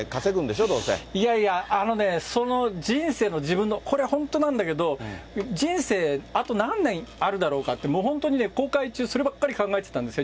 いやいや、その人生の、自分の、これ本当なんだけど、人生、あと何年あるだろうかって、本当にね、航海中、そればっかり考えてたんですよ。